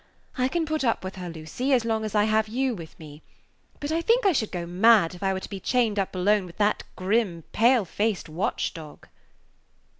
I can put up with her, Lucy, as long as I have you with me; but I think I should go mad if I were to be chained up alone with that grim, pale faced watch dog."